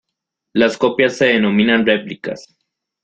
Las copias se denominan replicas.